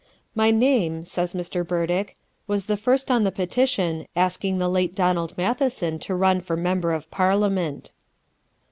"My name," says Mr. Burdick, "was the first on the petition asking the late Donald Matheson to run for member of Parliament."